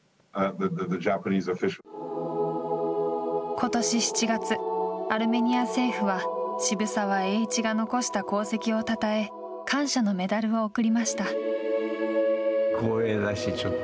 ことし７月、アルメニア政府は、渋沢栄一が残した功績をたたえ、感謝のメダルを贈りました。